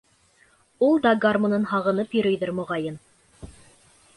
Ул да гармунын һағынып йөрөйҙөр, моғайын.